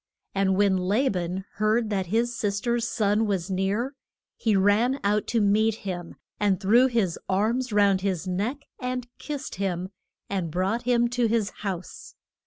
And when La ban heard that his sis ter's son was near, he ran out to meet him, and threw his arms round his neck and kissed him, and brought him to his house.